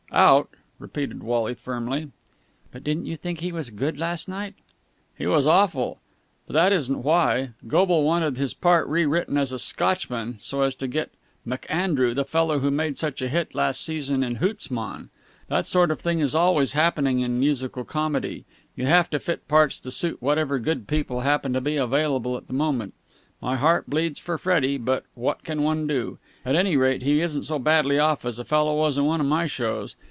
"Out!" repeated Wally firmly. "But didn't you think he was good last night?" "He was awful! But that isn't why. Goble wanted his part rewritten as a Scotchman, so as to get McAndrew, the fellow who made such a hit last season in 'Hoots, Mon!' That sort of thing is always happening in musical comedy. You have to fit parts to suit whatever good people happen to be available at the moment. My heart bleeds for Freddie, but what can one do? At any rate he isn't so badly off as a fellow was in one of my shows.